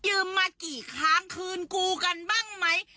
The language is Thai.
มากี่ครั้งคืนกูกันบ้างไหม